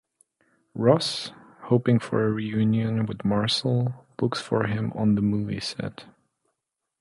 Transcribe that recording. Ross, hoping for a reunion with Marcel, looks for him on the movie set.